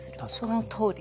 そのとおり。